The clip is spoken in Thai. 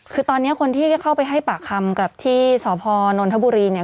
คือตอนนี้คนที่เข้าไปให้ปากคำกับที่สพนนทบุรีเนี่ย